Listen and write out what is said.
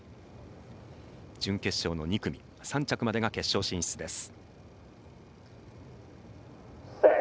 準決勝の２組３着までが決勝進出です。